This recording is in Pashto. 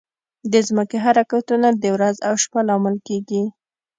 د ځمکې حرکتونه د ورځ او شپه لامل کېږي.